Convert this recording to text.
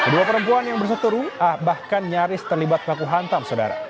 dua perempuan yang bersatu ruah bahkan nyaris terlibat kaku hantam saudara